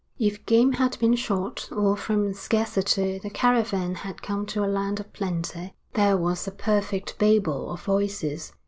If game had been shot, or from scarcity the caravan had come to a land of plenty, there was a perfect babel of voices.